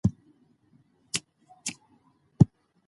سالمه تغذیه ټولنه ارامه ساتي.